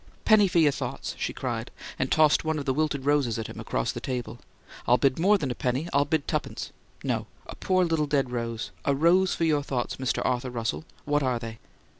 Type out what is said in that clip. "Penny for your thoughts!" she cried, and tossed one of the wilted roses at him, across the table. "I'll bid more than a penny; I'll bid tuppence no, a poor little dead rose a rose for your thoughts, Mr. Arthur Russell! What are they?"